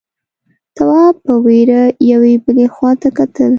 تواب په وېره يوې بلې خواته کتل…